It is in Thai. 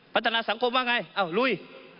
พัฒนาสังคมว่าไงอ้าวลุย